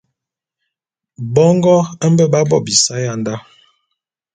Bongo mbe b'á bo bisae ya ndá.